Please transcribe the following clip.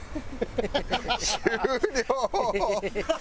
終了！